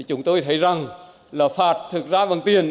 chúng tôi thấy rằng là phạt thực ra bằng tiền